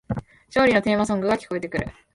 勝利のテーマソングが聞こえてくる